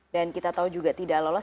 dan kita tahu juga tidak lolos